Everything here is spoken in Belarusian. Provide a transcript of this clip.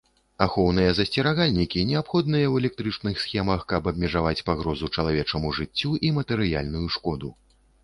Ахоўныя засцерагальнікі неабходныя ў электрычных схемах, каб абмежаваць пагрозу чалавечаму жыццю і матэрыяльную шкоду.